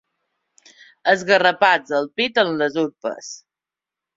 Esgarrapats al pit amb les urpes.